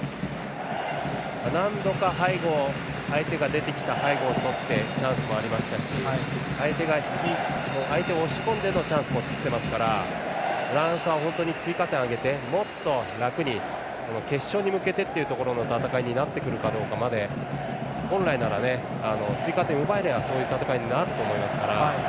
何度か相手が出てきた背後をとってチャンスもありましたし相手を押し込んでのチャンスも作ってますからフランスは本当に追加点を挙げてもっと楽に決勝に向けてというところの戦いになってくるかまで本来なら追加点を奪えればそういった戦いになると思いますから。